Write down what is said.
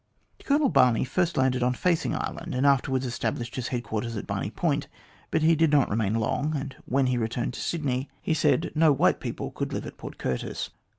" Colonel Barney first landed on Facing Island, and afterwards established his headquarters at Barney Point ; but he did not remain long, and when he returned to Sydney, he said no white 200 THE GLADSTONE COLONY people could live at Port Curtis.